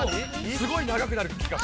すごい長くなる気がする。